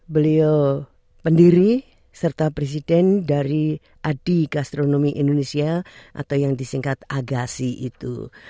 beliau pendiri serta presiden dari adi gastronomi indonesia atau yang disingkat agasi itu